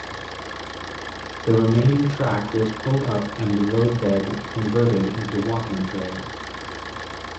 The remaining track was pulled up and the roadbed converted into walking trails.